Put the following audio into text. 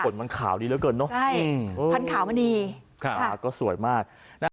สะขนมันขาวดีแล้วกันเนอะใช่พันธุ์ขาวมณีค่ะอ่าก็สวยมาก